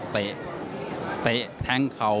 เตะแท้งเขา